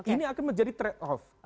ini akan menjadi trade off